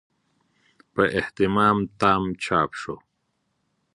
په اهتمام تام چاپ شو.